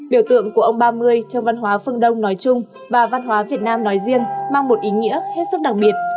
biểu tượng của ông ba mươi trong văn hóa phương đông nói chung và văn hóa việt nam nói riêng mang một ý nghĩa hết sức đặc biệt